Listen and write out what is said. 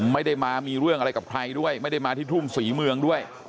ไม่ได้มามีเรื่องอะไรกับใครด้วยไม่ได้มาที่ทุ่งศรีเมืองด้วย